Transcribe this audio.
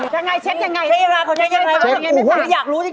ใช่ไงเช๊กยังไงเขาเช็กยังไงเพราะว่าเซ็กผม